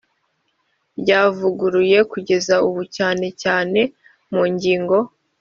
ryavuguruye kugeza ubu cyane cyane mu ngingo